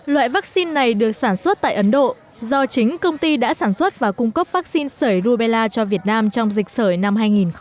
loại vaccine này được sản xuất tại ấn độ do chính công ty đã sản xuất và cung cấp vaccine sởi rubella cho việt nam trong dịch sởi năm hai nghìn một mươi chín